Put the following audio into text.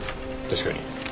確かに。